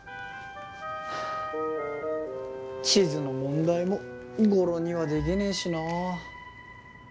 地図の問題も語呂にはできねえしなあ。